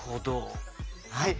はい。